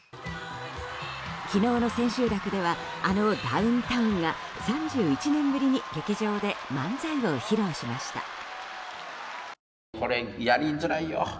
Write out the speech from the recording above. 昨日の千秋楽ではあのダウンタウンが３１年ぶりに劇場で漫才を披露しました。